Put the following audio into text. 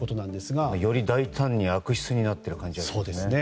より大胆に悪質になっている感じがしますね。